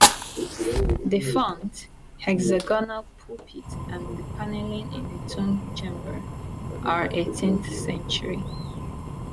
The font, hexagonal pulpit and the panelling in the tomb chamber are eighteenth century.